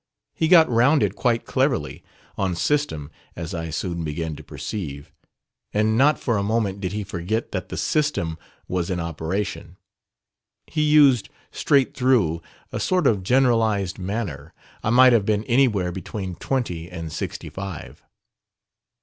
He got round it quite cleverly, on system, as I soon began to perceive; and not for a moment did he forget that the system was in operation. He used, straight through, a sort of generalized manner I might have been anywhere between twenty and sixty five."